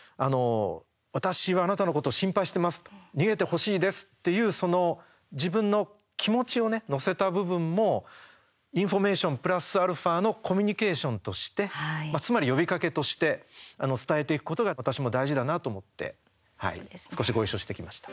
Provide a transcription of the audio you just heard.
私はあなたのことを心配してますと逃げてほしいですという自分の気持ちをね、乗せた部分もインフォメーションプラスアルファのコミュニケーションとしてつまり呼びかけとして伝えていくことが私も大事だなと思って少しごいっしょしてきました。